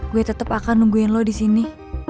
gue tetep akan nungguin lo disini